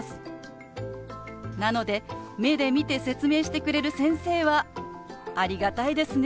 なので目で見て説明してくれる先生はありがたいですね。